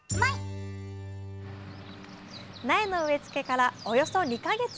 苗の植え付けからおよそ２か月。